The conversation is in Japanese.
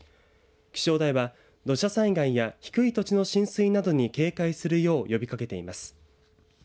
気象台は土砂災害や低い土地の浸水などに警戒するよう呼びかけています。